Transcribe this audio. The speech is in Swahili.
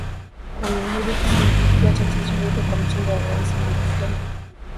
Ameahidi kushughulikia tatizo hilo kwa mtindo wa Rais Magufuli